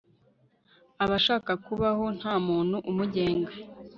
aba ashaka kubaho ntamuntu umugenga